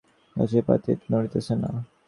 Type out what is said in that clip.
গাছের পাতাটিও নড়িতেছে না।